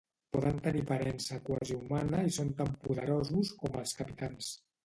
Poden tenir aparença quasi humana i són tan poderosos com els capitans.